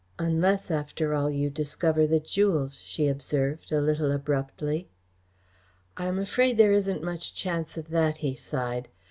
"Unless, after all, you discover the jewels," she observed, a little abruptly. "I am afraid there isn't much chance of that," he sighed.